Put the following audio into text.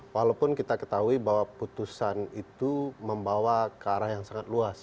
walaupun kita ketahui bahwa putusan itu membawa ke arah yang sangat luas